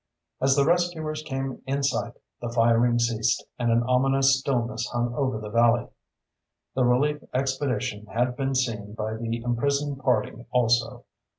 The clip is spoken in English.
As the rescuers came in sight the firing ceased and an ominous stillness hung over the valley. The relief expedition had been seen by the imprisoned party also.